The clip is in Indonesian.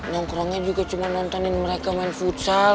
nongkrongnya juga cuma nontonin mereka main futsal